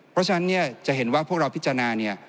เพราะฉะนั้นจะเห็นว่าพวกเราพิจารณา